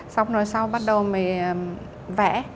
xong rồi sau bắt đầu mình vẽ